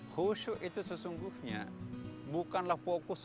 khusyuk itu sesungguhnya bukanlah fokus